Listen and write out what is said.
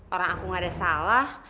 orang aku gak ada salah